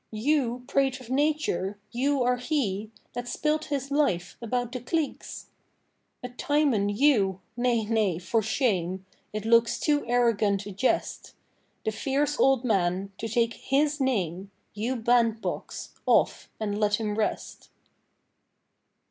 You prate of nature! you are he That spilt his life about the cliques. A Timon you! Nay, nay, for shame: It looks too arrogant a jest The fierce old man to take his name You bandbox. Off, and let him rest.